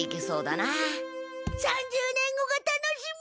３０年後が楽しみ！